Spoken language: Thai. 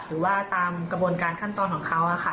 หรือว่าตามกระบวนการขั้นตอนของเขาค่ะ